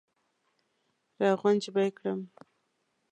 را غونج به یې کړم.